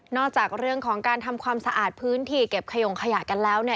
จากเรื่องของการทำความสะอาดพื้นที่เก็บขยงขยะกันแล้วเนี่ย